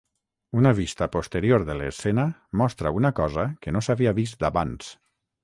Una vista posterior de l'escena mostra una cosa que no s'havia vist abans.